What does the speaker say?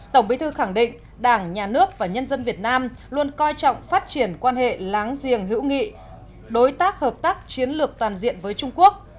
tổng bí thư khẳng định đảng nhà nước và nhân dân việt nam luôn coi trọng phát triển quan hệ láng giềng hữu nghị đối tác hợp tác chiến lược toàn diện với trung quốc